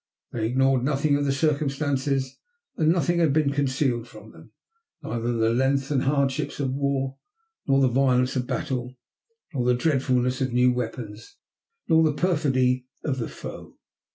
They ignored nothing of the circumstances and nothing had been concealed from them neither the length and hardships of war, nor the violence of battle, nor the dreadfulness of new weapons, nor the perfidy of the foe.